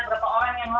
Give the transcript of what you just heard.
berapa orang yang like